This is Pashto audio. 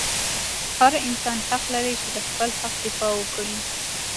هر انسان حق لري چې خپل حق دفاع وکي